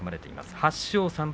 ８勝３敗